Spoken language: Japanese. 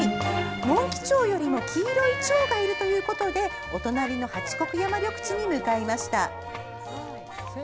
モンキチョウよりも黄色いチョウがいるということでお隣の八国山緑地に向かいました。